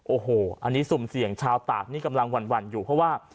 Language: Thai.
โอ้โหอันนี้สุ่มเสี่ยงชาวตากนี่กำลังหวั่นอยู่เพราะว่า